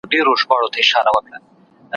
د ګډو ارزښتونو ماتول مه کوه.